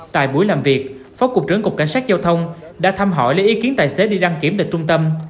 tại buổi làm việc phó cục trưởng cục cảnh sát giao thông đã thăm hỏi lấy ý kiến tài xế đi đăng kiểm tại trung tâm